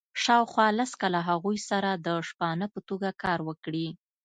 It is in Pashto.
شاوخوا لس کاله هغوی سره د شپانه په توګه کار وکړي.